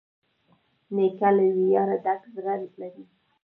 نیکه له ویاړه ډک زړه لري.